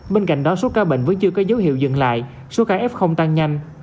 bên cạnh đó số ca bệnh vẫn chưa có dấu hiệu dừng lại số ca f tăng nhanh